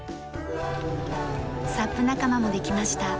サップ仲間もできました。